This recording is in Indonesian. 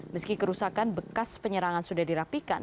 meski kerusakan bekas penyerangan sudah dirapikan